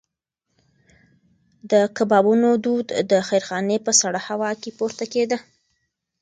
د کبابونو دود د خیرخانې په سړه هوا کې پورته کېده.